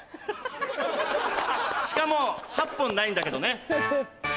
しかも８本ないんだけどね。